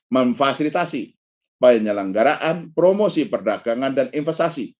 memfasilitasi penyelenggaraan promosi perdagangan dan investasi